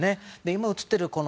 今映っている